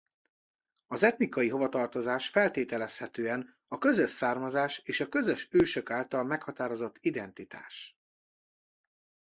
Az etnikai hovatartozás feltételezhetően a közös származás és a közös ősök által meghatározott identitás.